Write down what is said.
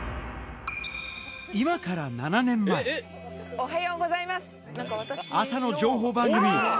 おはようございます。